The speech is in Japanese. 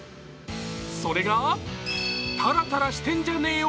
それが、タラタラしてんじゃねーよ